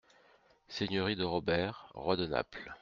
- Seigneurie de Robert, roi de Naples.